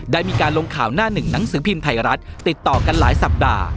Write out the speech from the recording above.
ได้มีการลงข่าวหน้าหนึ่งหนังสือพิมพ์ไทยรัฐติดต่อกันหลายสัปดาห์